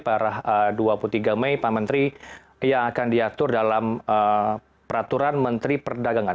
pada dua puluh tiga mei pak menteri yang akan diatur dalam peraturan menteri perdagangan